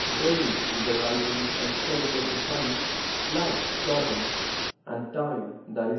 Daily, with the rising and setting of the sun, life shortens, and time (i.e.